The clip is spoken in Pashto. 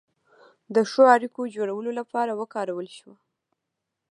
د ښو اړیکو جوړولو لپاره وکارول شوه.